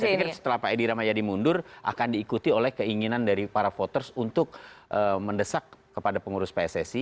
saya pikir setelah pak edi rahmayadi mundur akan diikuti oleh keinginan dari para voters untuk mendesak kepada pengurus pssi